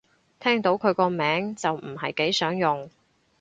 聽到佢個名就唔係幾想用